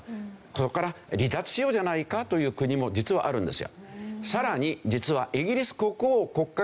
そこから離脱しようじゃないかという国も実はあるんですよ。